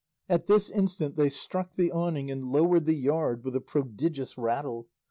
At this instant they struck the awning and lowered the yard with a prodigious rattle.